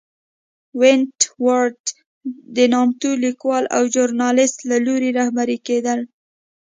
ونټ ورت د نامتو لیکوال او ژورنالېست له لوري رهبري کېدل.